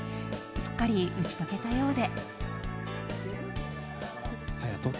すっかり打ち解けたようで。